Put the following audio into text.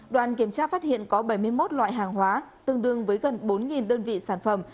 đoàn kiểm tra phát hiện có bảy mươi một loại hàng hóa tương đương với gần bốn đơn vị sản phẩm